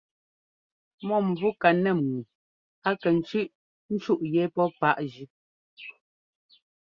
Mɔ́mvú ka nɛ́m ŋu a kɛ tsʉ́ꞌ ńtsúꞌ yɛ́ pɔ́ páꞌ jʉ́.